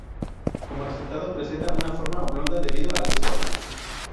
Como resultado, presenta una forma oblonga debido al escorzo.